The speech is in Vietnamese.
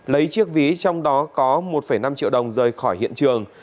lấy chiếc ví trong đó có một năm triệu đồng rời khỏi hiện trường